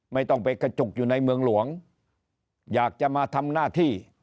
ไม่ต้องไปกระจุกอยู่ในเมืองหลวงอยากจะมาทำหน้าที่